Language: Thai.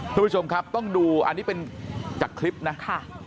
คุณผู้ชมครับต้องดูอันนี้เป็นจากคลิปนะค่ะ